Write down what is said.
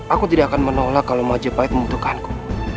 aku tidak akan menolak kalau majapahit membutuhkanku